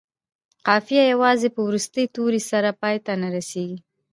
قافیه یوازې په وروستي توري سره پای ته نه رسيږي.